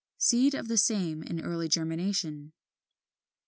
Seed of same in early germination.